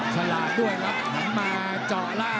ชัวร์ชัวร์